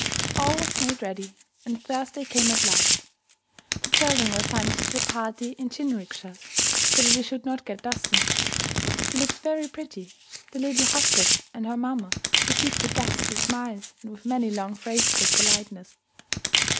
All was made ready, and Thursday came at last. The children were sent to the party in jinrikishas, so that they should not get dusty. They looked very pretty. Their little hostess and her mamma received the guests with smiles and with many long phrases of politeness.